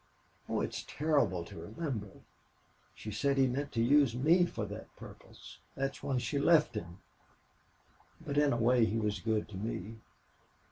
Oh, it's terrible to remember. She said he meant to use me for that purpose. That's why she left him. But in a way he was good to me.